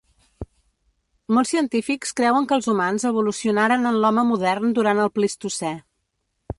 Molts científics creuen que els humans evolucionaren en l'home modern durant el Plistocè.